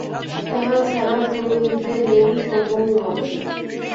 তাহা ছাড়া পুরোহিতদের মন সবল নয়।